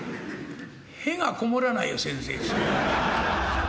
「屁が籠もらないよ先生」って。